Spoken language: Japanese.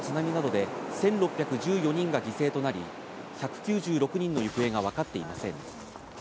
福島県内は１１年前の津波などで１６１４人が犠牲となり、１９６人の行方は分かっていません。